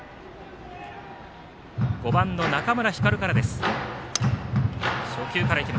５番の中村光琉からです。